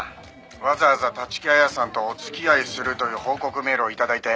わざわざ立木彩さんとお付き合いするという報告メールを頂いて。